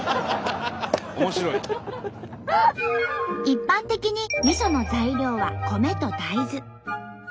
一般的にみその材料は米と大豆。